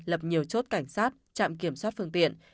lập nhiều chốt cảnh sát trạm kiểm soát phương tiện